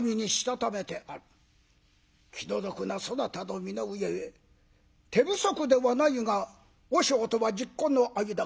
気の毒なそなたの身の上ゆえ手不足ではないが和尚とはじっこんの間柄。